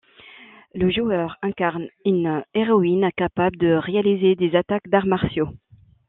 Le joueur incarne une héroïne capable de réaliser des attaques d'arts martiaux.